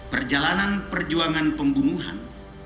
perjalanan perjuangan pembunuhan